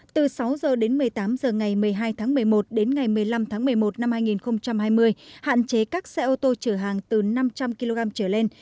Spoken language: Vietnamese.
từ sáu h đến một mươi tám h ngày một mươi hai tháng một mươi một đến ngày một mươi năm tháng một mươi một năm hai nghìn hai mươi hạn chế các xe ô tô chở hàng từ năm trăm linh kg trở lên